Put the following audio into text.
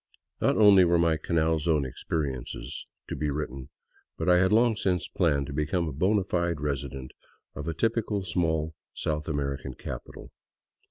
Not only were my Canal Zone experiences to be written, but I had long since planned to become a bona fide resident of a typical small South Ameri can capital.